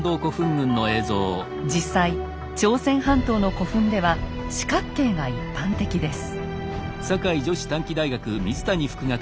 実際朝鮮半島の古墳では四角形が一般的です。